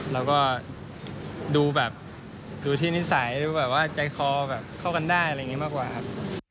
แล้วก็ดูแบบดูที่นิสัยดูแบบว่าใจคอแบบเข้ากันได้อะไรอย่างนี้มากกว่าครับ